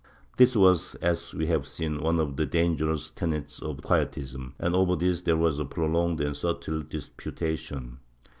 This was, as we have seen, one of the dangerous tenets of Quietism, and over this there was a pro longed and subtle disputation.